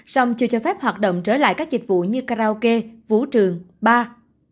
xong chưa cho phép hoạt động trở lại các dịch vụ như karaoke vũ trường bar